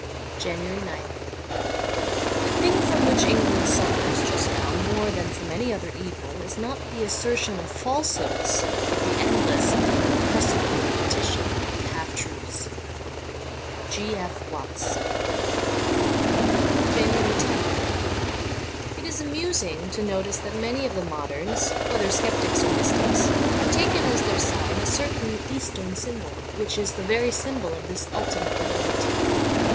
JANUARY 9th THE thing from which England suffers just now more than from any other evil is not the assertion of falsehoods, but the endless and irrepressible repetition of half truths. ' G. F. Watts: JANUARY loth IT is amusing to notice that many of the moderns, whether sceptics or mystics, have taken as their sign a certain eastern symbol, which is the very symbol of this ultimate nullity.